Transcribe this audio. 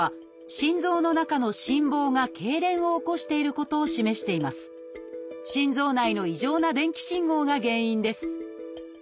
心臓内の異常な電気信号が原因です